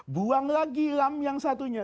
buang lagi lam yang satunya